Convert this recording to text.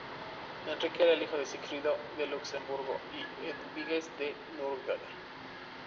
Enrique era hijo de Sigfrido de Luxemburgo y Eduviges de Nordgau.